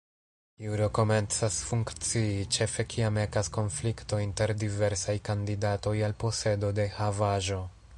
Juro komencas funkcii ĉefe kiam ekas konflikto inter diversaj kandidatoj al posedo de havaĵo.